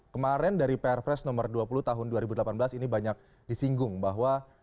kemarin dari pr press nomor dua puluh tahun dua ribu delapan belas ini banyak disinggung bahwa